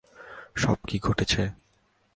সব কি ঘটেছে?